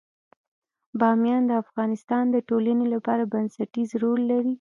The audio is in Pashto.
بامیان د افغانستان د ټولنې لپاره بنسټيز رول لري.